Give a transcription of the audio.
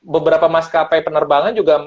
beberapa maskapai penerbangan juga